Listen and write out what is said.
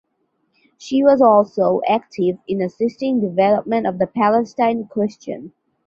She was also active in assisting development of the Palestine question.